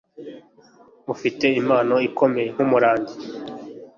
Afite impano ikomeye nkumurangi.